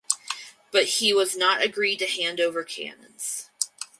But he was not agreed to hand over cannons.